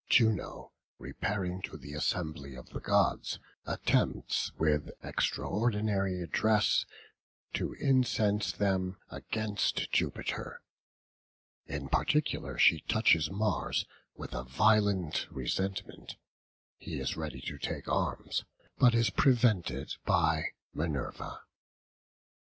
Juno, repairing to the assembly of the gods, attempts with extraordinary address to incense them against Jupiter; in particular she touches Mars with a violent resentment; he is ready to take arms, but is prevented by Minerva.